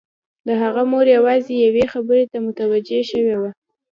د هغه مور یوازې یوې خبرې ته متوجه شوې وه